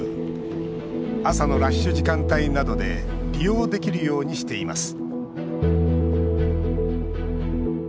朝のラッシュ時間帯などで利用できるようにしています